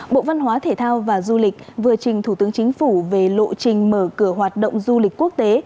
bộ văn hóa thể thao và du lịch vừa trình thủ tướng chính phủ về lộ trình mở cửa hoạt động du lịch quốc tế